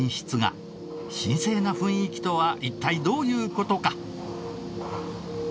神聖な雰囲気とは一体どういう事か？